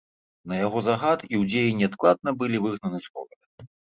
На яго загад іўдзеі неадкладна былі выгнаны з горада.